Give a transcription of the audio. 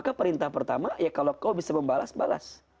karena perintah pertama kalau engkau bisa membalas balas